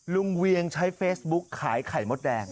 เวียงใช้เฟซบุ๊กขายไข่มดแดง